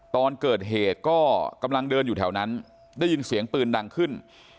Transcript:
ตอนเกิดเหตุก็กำลังเดินอยู่แถวนั้นได้ยินเสียงปืนดังขึ้น